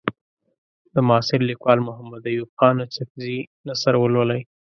د معاصر لیکوال محمد ایوب خان اڅکزي نثر ولولئ.